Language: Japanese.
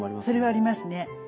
それはありますね。